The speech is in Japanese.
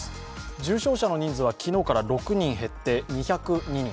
重症者の人数は昨日から６人減って２０２人。